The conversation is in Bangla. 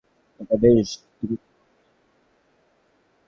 এটা বেশ দ্রুত ঘটছে!